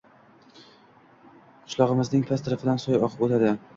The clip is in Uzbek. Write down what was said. Qishlog`imizning past tarafidan soy oqib o`tadi